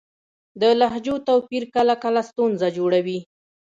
د لهجو توپیر کله کله ستونزه جوړوي.